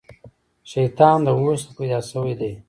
شيطان د اور څخه پيدا سوی دی